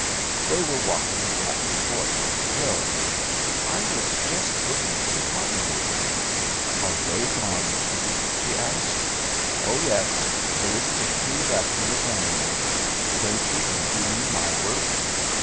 They were walking back and forth on the hill. "I was just looking for the cottonwood trees; are they gone too?" she asked. "Oh yes; there isn't a tree left in the cañon. Don't you envy me my work?"